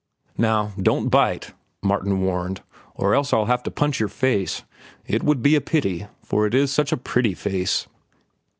"Now don't bite," Martin warned, "or else I'll have to punch your face. It would be a pity, for it is such a pretty face."